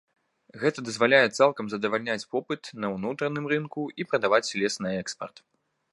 Гэта дазваляе цалкам задавальняць попыт на ўнутраным рынку і прадаваць лес на экспарт.